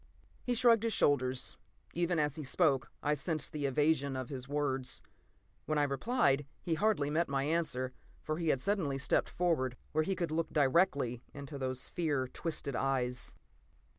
p> He shrugged his shoulders. Even as he spoke, I sensed the evasion in his words. When I replied, he hardly heard my answer, for he had suddenly stepped forward, where he could look directly into those fear twisted eyes.